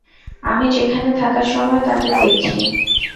আমি সেখানে থাকার সময় তাদের দেখেছি।